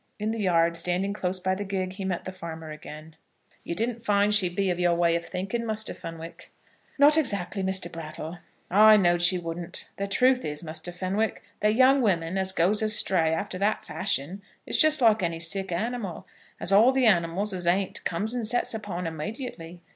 In the yard, standing close by the gig, he met the farmer again. "You didn't find she'd be of your way of thinking, Muster Fenwick?" "Not exactly, Mr. Brattle." "I know'd she wouldn't. The truth is, Muster Fenwick, that young women as goes astray after that fashion is just like any sick animal, as all the animals as ain't comes and sets upon immediately.